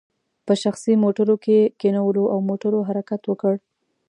په شخصي موټرو کې یې کینولو او موټرو حرکت وکړ.